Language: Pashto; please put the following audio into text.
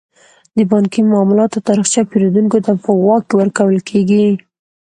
د بانکي معاملاتو تاریخچه پیرودونکو ته په واک کې ورکول کیږي.